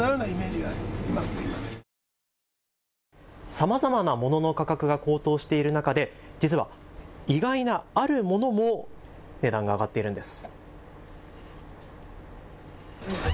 さまざまなものの価格が高騰している中で実は意外なあるものも値段が上がっているんです。